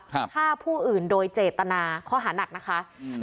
ฆ่าผู้อื่นโดยเจตนาข้อหานักนะคะอืม